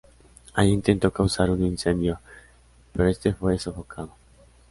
Allí intentó causar un incendio, pero este fue sofocado.